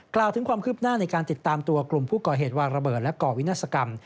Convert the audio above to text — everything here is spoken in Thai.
กล่าวถึงความคืบหน้าในการติดตามตัวกลุ่มผู้ก่อเหตุวางระเบิดและก่อวินาศกรรม